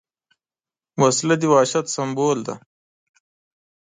وسله د وحشت سمبول ده